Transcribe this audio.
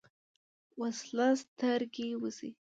وسله سترګې وځي